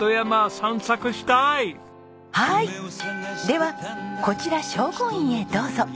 ではこちら荘厳院へどうぞ。